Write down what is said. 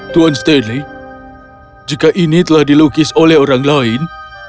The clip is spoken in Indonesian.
tuan stanley jika ini telah dilukis oleh orang lain